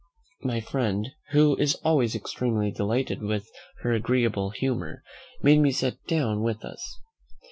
My friend, who is always extremely delighted with her agreeable humour, made her sit down with us.